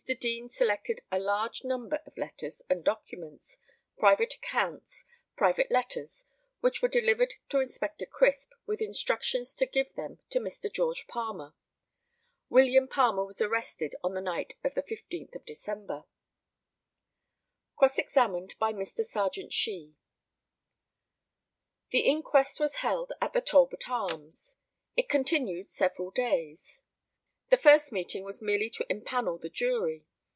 Deane selected a large number of letters and documents, private accounts, private letters, which were delivered to Inspector Crisp, with instructions to give them to Mr. George Palmer. William Palmer was arrested on the night of the 15th December. Cross examined by Mr. Serjeant SHEE: The inquest was held at the Talbot Arms. It continued several days. The first meeting was merely to empannel the jury.